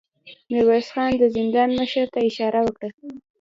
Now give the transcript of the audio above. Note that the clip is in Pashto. ميرويس خان د زندان مشر ته اشاره وکړه.